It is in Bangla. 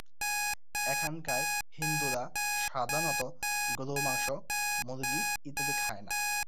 এখানকার হিন্দুরা সাধারণত গরুর মাংস, মুরগী ইত্যাদি খায় না।